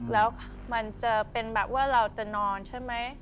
แล้วมันจะเป็นแบบว่าเราจะนอนใช่ไหม